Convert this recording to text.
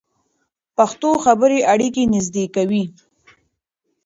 پښتو خبرې اړیکې نږدې کوي.